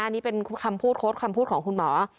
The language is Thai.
นี่เป็นคำพูดโค้ดคำพูดของคุณหมอ